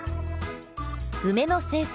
梅の生産